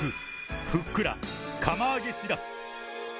ふっくら釜揚げしらす。